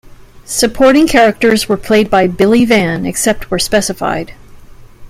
Supporting characters were played by Billy Van, except where specified.